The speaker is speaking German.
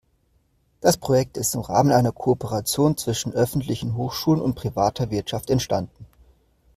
Das Projekt ist im Rahmen einer Kooperation zwischen öffentlichen Hochschulen und privater Wirtschaft entstanden.